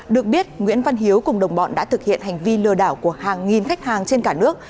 được biết nguyễn văn hiếu cùng đồng bọn đã thực hiện hành vi lừa đảo của hàng nghìn khách hàng trên cả nước